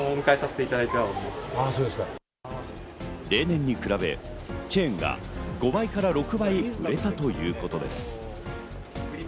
例年に比べ、チェーンが５倍から６倍売れたということです。